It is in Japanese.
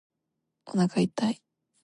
おなか痛い